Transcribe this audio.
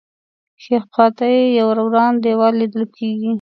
ښی خوا ته یې یو وران دیوال لیدل کېږي.